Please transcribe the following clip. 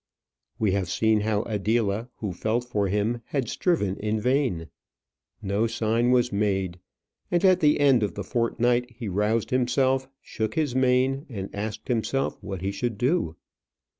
We have seen how Adela, who felt for him, had striven in vain. No sign was made; and at the end of the fortnight he roused himself, shook his mane, and asked himself what he should do.